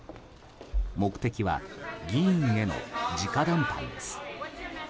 目的は議員への直談判です。